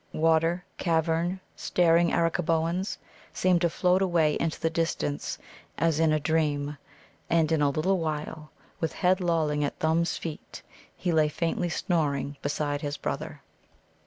Water, cavern, staring Arakkaboans, seemed to float away into the distance, as in a dream. And in a little while, with head lolling at Thumb's feet, he lay faintly snoring beside his brother.